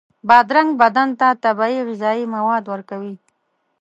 بادرنګ بدن ته طبیعي غذایي مواد ورکوي.